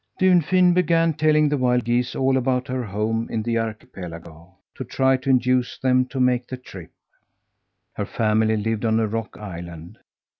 Dunfin began telling the wild geese all about her home in the archipelago, to try to induce them to make the trip. Her family lived on a rock island.